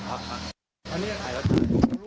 ปล่อยแป๊บนี้เดี๋ยวก็ออก